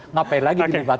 ngapain lagi dibatalkan